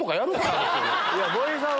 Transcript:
森さん